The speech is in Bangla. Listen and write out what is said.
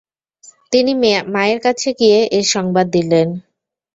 তিনি মায়ের কাছে গিয়ে এ সংবাদ দিলেন।